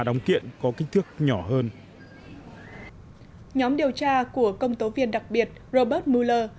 đóng kiện có kích thước nhỏ hơn nhóm điều tra của công tố viên đặc biệt robert mueller